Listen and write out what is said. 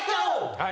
はい。